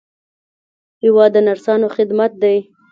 هېواد د نرسانو خدمت دی.